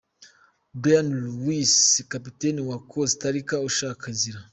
Bryan Ruiz kapiteni wa Costa Rica ashaka inzira .